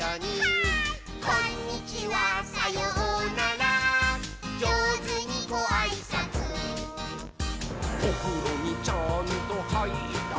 「こんにちはさようならじょうずにごあいさつ」「おふろにちゃんとはいったかい？」はいったー！